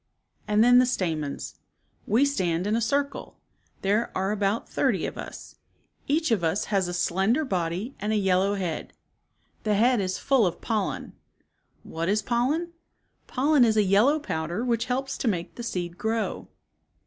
And then the stamens. " We stand in a circle. There are about thirty of us. Each of us has a 28 slender body and a yellow head. The head is full of pollen. What is pollen ? Pollen is a yellow powder which helps to make the seed grow."